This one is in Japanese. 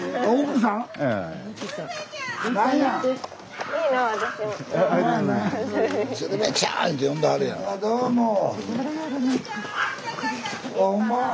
どうも。